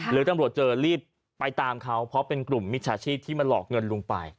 หรือตำรวจเจอรีบไปตามเขาเพราะเป็นกลุ่มมิจฉาชีพที่มาหลอกเงินลุงไป